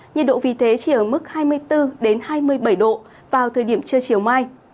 nhiệt độ vì thế chỉ ở mức hai mươi bốn hai mươi bảy độ vào thời điểm trưa chiều mai